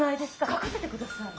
描かせてください。